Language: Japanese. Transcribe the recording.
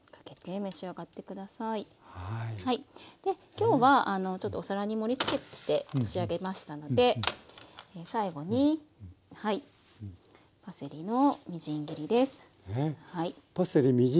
今日はちょっとお皿に盛りつけて仕上げましたので最後にパセリのみじん切りです。